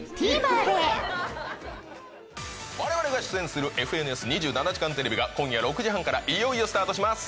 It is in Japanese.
われわれが出演する『ＦＮＳ２７時間テレビ』が今夜６時半からスタートします。